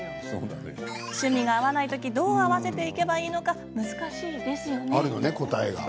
趣味が合わない時ってどう合わせていけばいいのか難しいですよね？